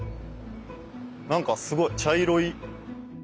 なんかすごい茶色い。